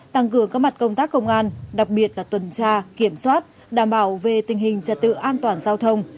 tăng cường các mặt công tác công an đặc biệt là tuần tra kiểm soát đảm bảo về tình hình trật tự an toàn giao thông